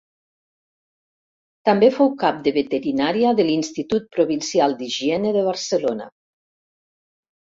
També fou cap de veterinària de l'Institut Provincial d'Higiene de Barcelona.